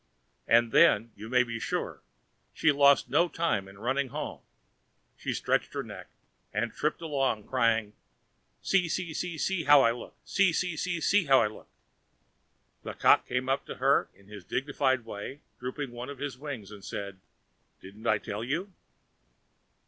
And then, you may be sure, she lost no time in running home; she stretched her neck, and tripped along, crying: "See, see, see, see how I look! See, see, see, see how I look!" The Cock came up to her in his dignified way, drooped one of his wings, and said: "Didn't I tell you?"